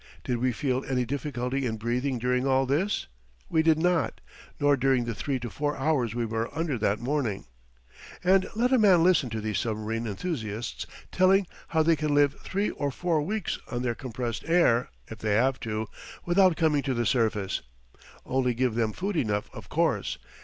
Did we feel any difficulty in breathing during all this? We did not, nor during the three to four hours we were under that morning. And let a man listen to these submarine enthusiasts telling how they can live three or four weeks on their compressed air, if they have to, without coming to the surface! Only give them food enough, of course.